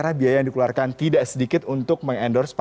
karena biaya yang dikeluarkan tidak sedikit untuk meng endorse mereka